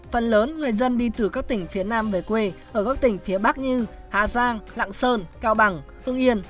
phần lớn người dân đi từ các tỉnh phía nam về quê ở các tỉnh phía bắc như hà giang lạng sơn cao bằng hương yên